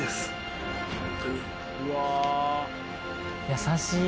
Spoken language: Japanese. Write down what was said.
優しい。